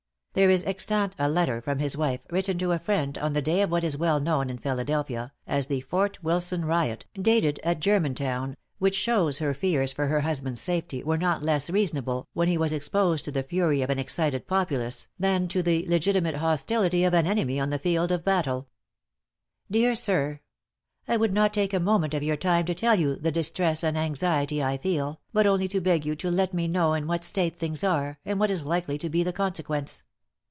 There is extant a letter from his wife, written to a friend, on the day of what is well known in Philadelphia, as the Fort Wilson riot, dated at Germantown, which shows her fears for her husband's safety were not less reasonable, when he was exposed to the fury of an excited populace, than to the legitimate hostility of an enemy on the field of battle: "Dear Sir: I would not take a moment of your time to tell you the distress and anxiety I feel, but only to beg you to let me know in what state things are, and what is likely to be the consequence.